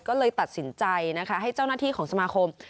ก็เลยตัดสินใจนะคะให้เจ้าหน้าที่ของสมาคม